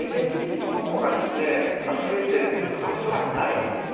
そのものが増えているということは恐らくないんですね。